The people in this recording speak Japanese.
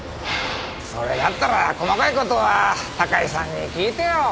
それだったら細かい事は高井さんに聞いてよ。